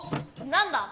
何だ？